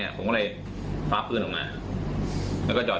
แล้วก็ยังไม่จอด